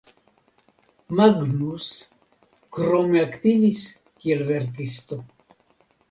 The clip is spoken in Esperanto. Magnus krome aktivis kiel verkisto.